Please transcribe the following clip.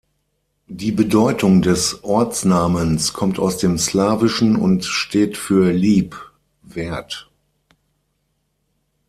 Die Bedeutung des Ortsnamens kommt aus dem Slawischen und steht für „lieb“, „wert“.